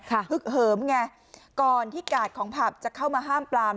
ฮึกเหิมไงก่อนที่กาดของผับจะเข้ามาห้ามปลาม